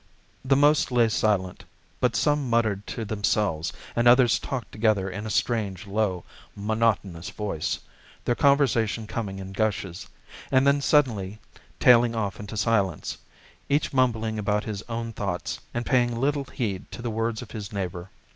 The most lay silent, but some muttered to themselves, and others talked together in a strange, low, monotonous voice, their conversation coming in gushes, and then suddenly tailing off into silence, each mumbling out his own thoughts and paying little heed to the words of his neighbour.